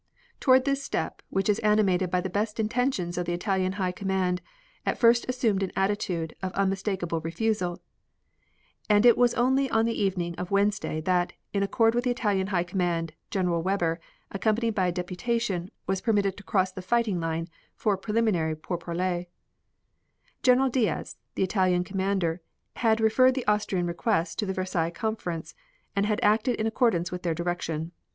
Toward this step which is animated by the best intentions the Italian High Command at first assumed an attitude of unmistakable refusal, and it was only on the evening of Wednesday that, in accord with the Italian High Command, General Weber, accompanied by a deputation, was permitted to cross the fighting line for preliminary pourparlers. General Diaz, the Italian Commander, had referred the Austrian request to the Versailles Conference, and had acted in accordance with their direction.